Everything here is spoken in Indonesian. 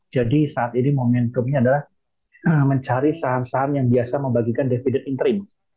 jadi saat ini momentumnya adalah mencari saham saham yang biasa membagikan dividen interim